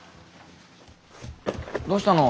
どうしたの？